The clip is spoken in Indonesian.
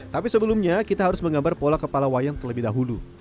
tapi sebelumnya kita harus menggambar pola kepala wayang terlebih dahulu